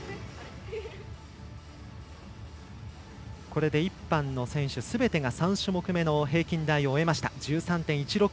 これで１班の選手すべてが３種目めの平均台を終えました。１３．１６６